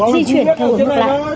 di chuyển theo hướng lạ